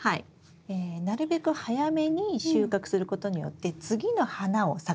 なるべく早めに収穫することによって次の花を咲かせやすい。